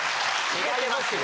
違いますよ・